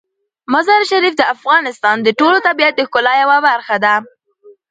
مزارشریف د افغانستان د ټول طبیعت د ښکلا یوه برخه ده.